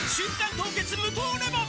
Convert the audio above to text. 凍結無糖レモン」